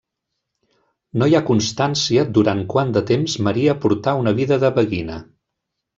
No hi ha constància durant quant de temps Maria portà una vida de beguina.